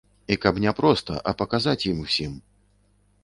І каб не проста, а паказаць ім усім.